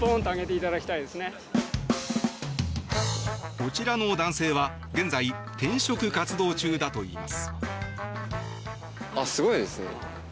こちらの男性は現在転職活動中だといいます。